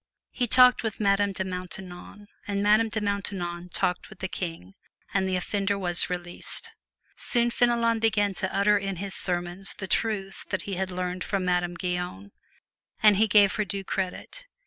He talked with Madame de Maintenon, and Madame de Maintenon talked with the King, and the offender was released. Soon Fenelon began to utter in his sermons the truths he had learned from Madame Guyon. And he gave her due credit.